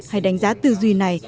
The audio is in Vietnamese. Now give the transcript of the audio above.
hay đánh giá tư duy này